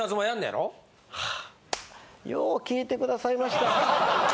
はぁよう聞いてくださいました。